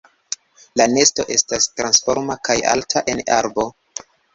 La nesto estas tasforma kaj alta en arbo.